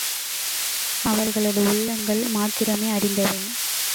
அவர்களது உள்ளங்கள் மாத்திரமே அறிந்தவை!